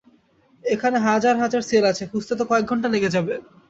এখানে হাজার হাজার সেল আছে, খুঁজতে তো কয়েক ঘণ্টা লেগে যাবে।